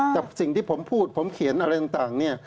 กับสิ่งที่ผมพูดผมเขียนอะไรต่างเนี่ย